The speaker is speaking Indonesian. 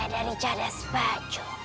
dari jadas bajul